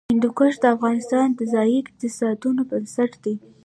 هندوکش د افغانستان د ځایي اقتصادونو بنسټ دی.